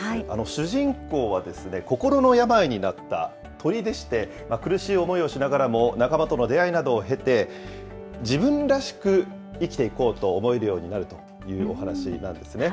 主人公は、心の病になった鳥でして、苦しい思いをしながらも、仲間との出会いなどを経て、自分らしく生きていこうと思えるようになるというお話なんですね。